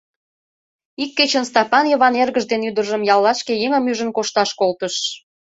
Ик кечын Стапан Йыван эргыж ден ӱдыржым яллашке еҥым ӱжын кошташ колтыш.